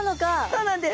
そうなんです。